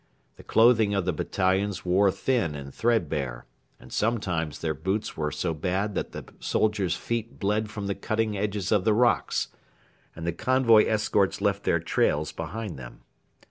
The clothing of the battalions wore thin and threadbare, and sometimes their boots were so bad that the soldiers' feet bled from the cutting edges of the rocks, and the convoy escorts left their trails behind them.